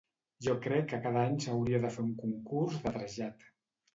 Jo crec que cada any s'hauria de fer un concurs de trasllat.